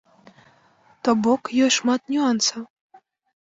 То бок ёсць шмат нюансаў.